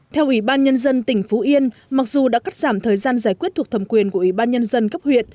theo ủy ban nhân dân tỉnh phú yên mặc dù đã cắt giảm thời gian giải quyết thuộc thẩm quyền của ủy ban nhân dân cấp huyện